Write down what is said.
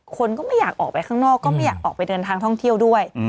คนก็ไม่อยากออกไปข้างนอกก็ไม่อยากออกไปเดินทางท่องเที่ยวด้วย